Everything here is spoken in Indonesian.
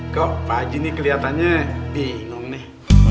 kok pak haji ini kelihatannya bingung nih